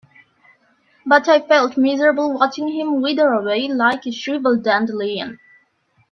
But I felt miserable watching him wither away like a shriveled dandelion.